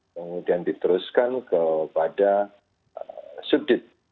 kemudian diteruskan kepada sudit